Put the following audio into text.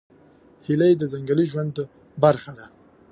هیلۍ د ځنګلي ژوند برخه ده